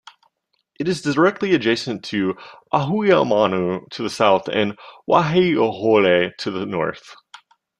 It is directly adjacent to Ahuimanu to the south and Waiahole to the north.